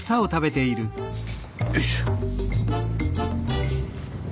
よいしょ。